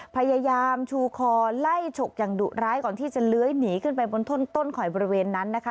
พยายามชูคอไล่ฉกอย่างดุร้ายก่อนที่จะเลื้อยหนีขึ้นไปบนท่นต้นข่อยบริเวณนั้นนะคะ